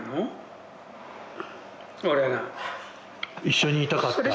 一緒にいたかった？